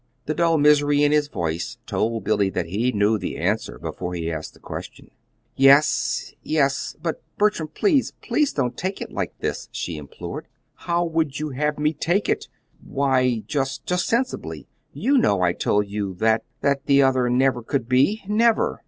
The dull misery in his voice told Billy that he knew the answer before he asked the question. "Yes, yes; but, Bertram, please please don't take it like this!" she implored. "How would you have me take it?" "Why, just just sensibly. You know I told you that that the other never could be never."